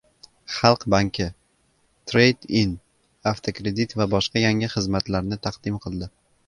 Xalq banki «Trade-In» avtokrediti va boshqa yangi xizmatlarni taqdim qildi